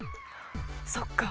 そっか！